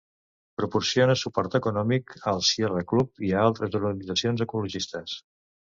Proporciona suport econòmic al Sierra Club i a altres organitzacions ecologistes.